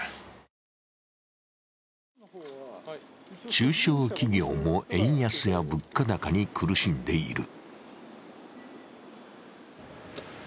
中小企業も円安や物価高に苦しんでいる。